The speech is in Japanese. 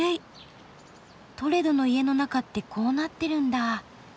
トレドの家の中ってこうなってるんだ。